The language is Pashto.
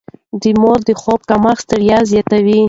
د مور د خوب کمښت ستړيا زياتوي.